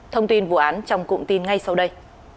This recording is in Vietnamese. thông tin vụ án trong cụm tin ngay sau đây